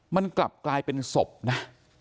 มันกลับกลายเป็นศพนะ